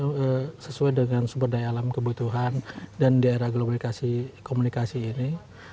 semaksimal mungkin sesuai dengan sumber daya alam kebutuhan dan di era globalikasi komunikasi ini